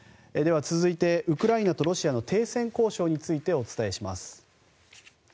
続いてウクライナとロシアの停戦交渉についてお伝えします。